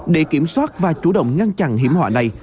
để kiểm soát và chủ động ngăn chặn hiểm họa này